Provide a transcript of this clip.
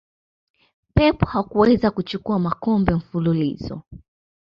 pep hakuweza kuchukua makombe mfululizo